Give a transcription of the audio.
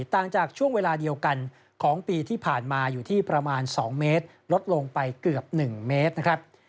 ต่างจากช่วงเวลาเดียวกันของปีที่ผ่านมาอยู่ที่ประมาณ๒เมตรลดลงไปเกือบ๑เมตรนะครับ